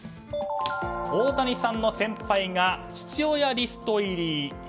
大谷さんの先輩が父親リスト入り。